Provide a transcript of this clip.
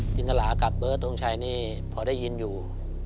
สินสลากับเบิร์ดทงชัยนี่พอได้ยินอยู่